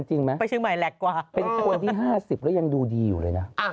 แต่เอาจริงไหมเป็นคนที่๕๐แล้วยังดูดีอยู่เลยนะ